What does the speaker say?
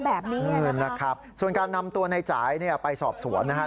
แบบนี้นะครับส่วนการนำตัวในจ่ายเนี่ยไปสอบสวนนะครับ